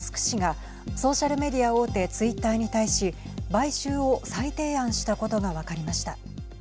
アメリカの起業家イーロン・マスク氏がソーシャルメディア大手ツイッターに対し買収を再提案したことが分かりました。